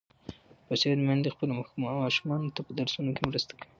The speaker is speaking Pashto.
باسواده میندې خپلو ماشومانو ته په درسونو کې مرسته کوي.